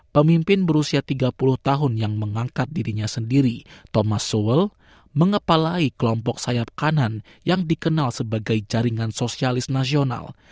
pemimpin berusia tiga puluh tahun yang mengangkat dirinya sendiri thomas soul mengepalai kelompok sayap kanan yang dikenal sebagai jaringan sosialis nasional